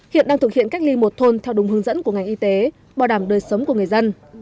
hiện đang thực hiện cách ly một thôn theo đúng hướng dẫn của ngành y tế bảo đảm đời sống của người dân